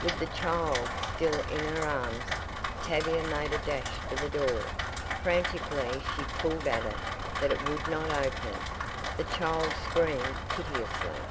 With the child still in her arms Tavia made a dash for the door. Frantically she pulled at it but it would not open! The child screamed piteously.